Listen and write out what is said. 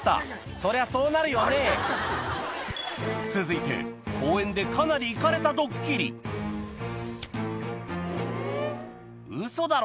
そりゃそうなるよね続いて公園でかなりイカレたドッキリウソだろ？